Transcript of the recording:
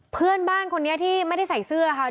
เพื่อนบ้านคนนี้ที่ไม่ได้ใส่เสื้อค่ะ